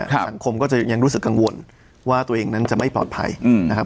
สังคมก็จะยังรู้สึกกังวลว่าตัวเองนั้นจะไม่ปลอดภัยนะครับ